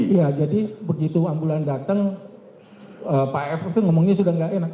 iya jadi begitu ambulan datang pak f itu ngomongnya sudah tidak enak